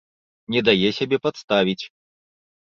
Не дае сябе падставіць.